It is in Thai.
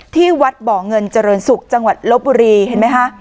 ที่วัดบ่อเงินเจริญศุกร์จังหวัดลบบุรีเห็นไหมคะ